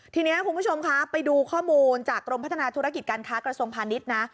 ทีนี้คุณผู้ชมคะไปดูข้อมูลจากกรมพัฒนาธุรกิจการค้ากระทรวงพาณิชย์นะ